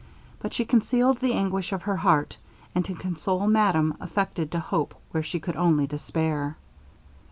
But she concealed the anguish of her heart; and to console madame, affected to hope where she could only despair.